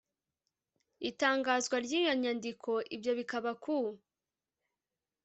itangazwa ry iyo nyandiko ibyo bikaba ku